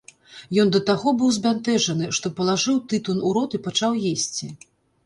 Ён да таго быў збянтэжаны, што палажыў тытун у рот і пачаў есці.